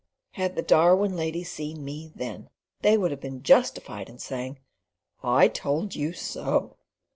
Had the Darwin ladies seen me then, they would have been justified in saying, "I told you so."